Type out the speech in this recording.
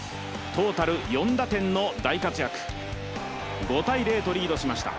トータル４打点の大活躍、５−０とリードしました。